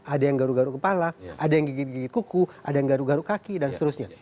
ada yang garuk garuk kepala ada yang gigit gigit kuku ada yang garuk garuk kaki dan seterusnya